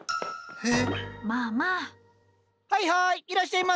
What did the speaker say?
えっ？